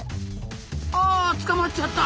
あ捕まっちゃった。